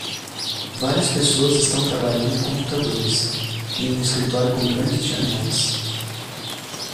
Várias pessoas estão trabalhando em computadores em um escritório com grandes janelas.